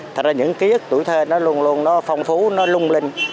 thật ra những ký ức tuổi thơ nó luôn luôn nó phong phú nó lung linh